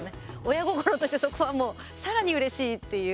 親心としては、そこはもうさらに、うれしいっていう。